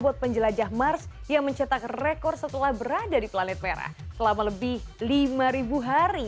buat penjelajah mars yang mencetak rekor setelah berada di planet merah selama lebih lima hari